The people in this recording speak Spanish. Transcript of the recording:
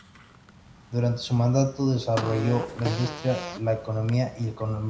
Durante su mandato desarrolló la industria, la economía y el comercio.